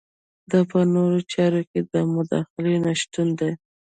دا په نورو چارو کې د مداخلې نشتون دی.